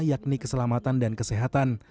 yakni keselamatan dan kesehatan